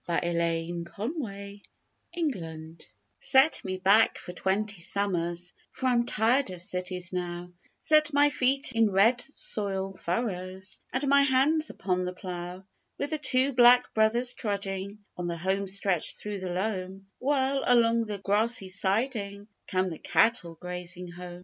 THE SHAKEDOWN ON THE FLOOR Set me back for twenty summers For I'm tired of cities now Set my feet in red soil furrows And my hands upon the plough, With the two 'Black Brothers' trudging On the home stretch through the loam While, along the grassy siding, Come the cattle grazing home.